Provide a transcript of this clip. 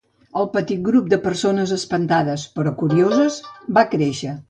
El petit grup de persones espantades però curioses va créixer.